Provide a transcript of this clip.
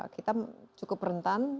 kita cukup rentan